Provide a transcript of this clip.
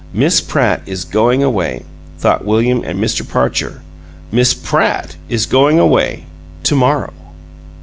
"Miss Pratt is going away!" thought William and Mr. Parcher. "Miss PRATT is going away to morrow!"